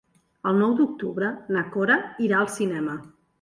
El nou d'octubre na Cora irà al cinema.